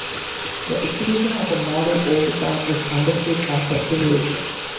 The execution of a model over time is understood as the simulation.